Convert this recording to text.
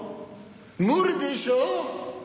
無理でしょう？